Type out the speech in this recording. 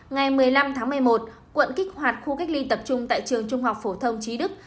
ngày một mươi năm tháng một mươi một quận kích hoạt khu cách ly tập trung tại trường trung học phổ thông trí đức